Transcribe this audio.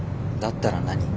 だったら何？